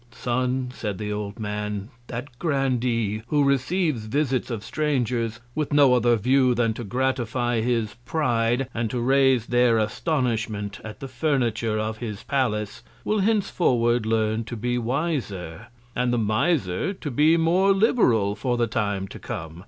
Son, said the old Man, that Grandee, who receives Visits of Strangers, with no other View than to gratify his Pride, and to raise their Astonishment at the Furniture of his Palace, will henceforward learn to be wiser; and the Miser to be more liberal for the Time to come.